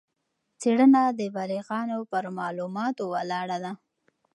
څېړنه د بالغانو پر معلوماتو ولاړه وه.